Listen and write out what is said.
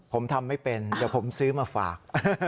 ผมทำไม่เป็นเดี๋ยวผมซื้อมาฝาก